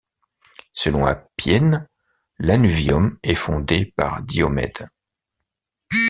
Selon Appien, Lanuvium est fondée par Diomède.